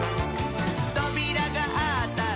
「とびらがあったら」